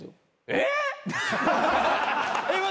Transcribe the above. えっ！？